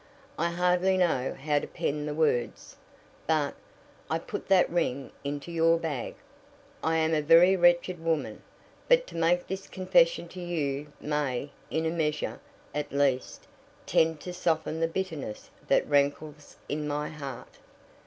I hardly know how to pen the words, but I put that ring into your bag! "I am a very wretched woman, but to make this confession to you may, in a measure, at least, tend to soften the bitterness that rankles in my heart.